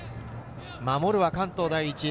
守るは関東第一。